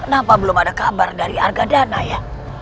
kenapa belum ada kabar dari harga dana ya